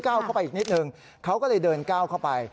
เข้าไปอีกนิดนึงเขาก็เลยเดินก้าวเข้าไป